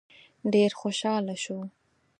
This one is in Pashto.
ډېر خوشاله شو.